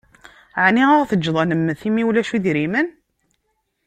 Ɛni ad ɣ-teǧǧeḍ an-nemmet imi ulac idrimen?